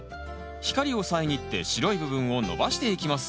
光を遮って白い部分を伸ばしていきます